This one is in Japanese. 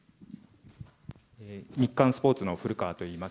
日刊スポーツのふるかわといいます。